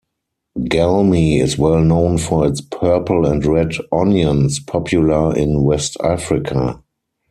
Galmi is well known for its purple and red onions popular in West Africa.